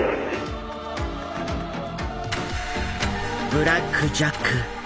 「ブラック・ジャック」。